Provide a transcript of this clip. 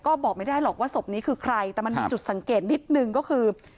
ก็บอกไม่ได้หรอกว่าศพนี้คือใครแต่มันมีจุดสังเกตนิดนึงก็คือ